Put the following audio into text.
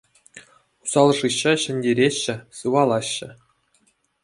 Усал шыҫҫа ҫӗнтереҫҫӗ, сывалаҫҫӗ.